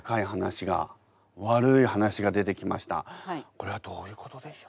これはどういうことでしょう？